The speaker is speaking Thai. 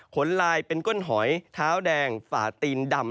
ขนลายเป็นก้นหอยเท้าแดงฝ่าตีนดำ